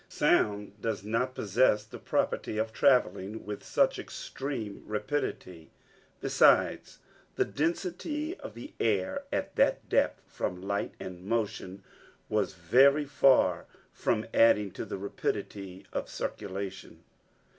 Sound does not possess the property of traveling with such extreme rapidity. Besides the density of the air at that depth from light and motion was very far from adding to the rapidity of circulation.